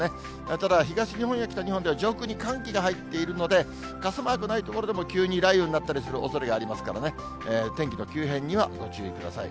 ただ、東日本や北日本では上空に寒気が入っているので、傘マークない所でも急に雷雨になったりするおそれがありますからね、天気の急変にはご注意ください。